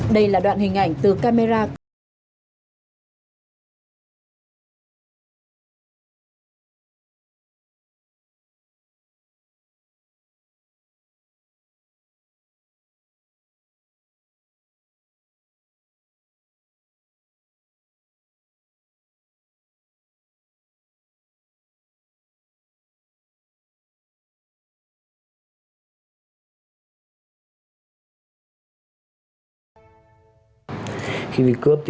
đây là đoạn hình ảnh từ camera của hà nội